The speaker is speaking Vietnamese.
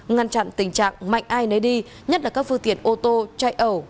ngăn chặn tình trạng mạnh ai nấy đi nhất là các phương tiện ô tô chạy ẩu